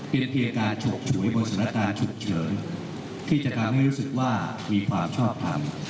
เป็นเพียงการฉกฉวยบนสถานการณ์ฉุกเฉินที่จะทำให้รู้สึกว่ามีความชอบทำ